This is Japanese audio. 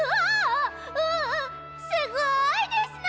すごいですの！